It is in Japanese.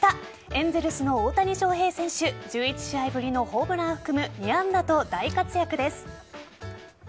エンゼルスの大谷翔平選手１１試合ぶりのホームランを含む２安打と大活躍です。